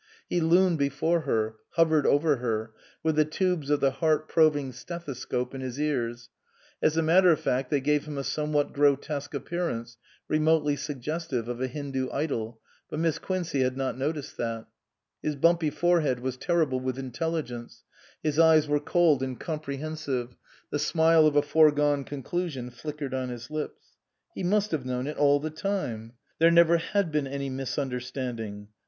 He loomed before her, hovered over her, with the tubes of the heart probing stethoscope in his ears (as a matter of fact they gave him a somewhat grotesque appearance, remotely suggestive of a Hindoo idol ; but Miss Quincey had not noticed that) ; his bumpy forehead was terrible with intelligence ; his eyes were cold and compre hensive ; the smile of a foregone conclusion flickered on his lips. He must have known it all the time. There never had been any misunderstanding.